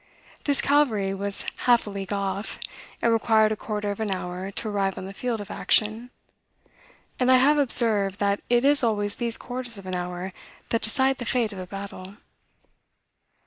This cavalry was half a league off, and required a quarter of an hour to arrive on the field of action; and I have observed, that it is always these quarters of an hour that decide the fate of a battle."